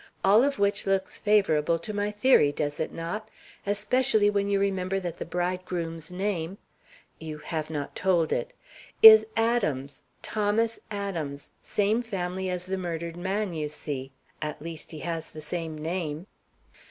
All of which looks favorable to my theory, does it not, especially when you remember that the bridegroom's name " "You have not told it." "Is Adams, Thomas Adams. Same family as the murdered man, you see. At least, he has the same name."